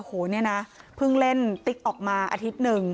โอ้โหเนี่ยนะเพิ่งเล่นติ๊กออกมาอาทิตย์หนึ่ง